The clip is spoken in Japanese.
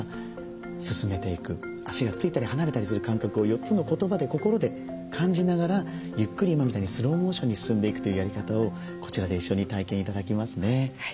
足がついたり離れたりする感覚を４つの言葉で心で感じながらゆっくり今みたいにスローモーションに進んでいくというやり方をこちらで一緒に体験頂きますね。